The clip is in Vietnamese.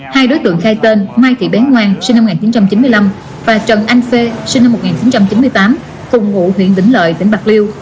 hai đối tượng khai tên mai thị bé ngoan sinh năm một nghìn chín trăm chín mươi năm và trần anh phê sinh năm một nghìn chín trăm chín mươi tám cùng ngụ huyện vĩnh lợi tỉnh bạc liêu